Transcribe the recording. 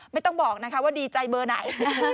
ไม่ต้องบอกนะคะว่าดีใจเบอร์ไหน